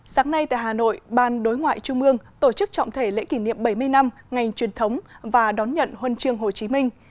sáng nay tại hà nội ban đối ngoại trung mương tổ chức trọng thể lễ kỷ niệm bảy mươi năm ngành truyền thống và đón nhận huân chương hồ chí minh